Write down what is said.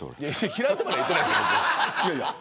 嫌いとは言ってないですよ。